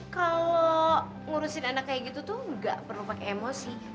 kalau ngurusin anak kayak gitu tuh gak perlu pakai emosi